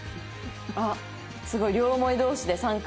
あっすごい両思い同士で３組。